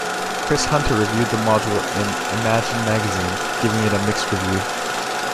Chris Hunter reviewed the module in "Imagine" magazine, giving it a mixed review.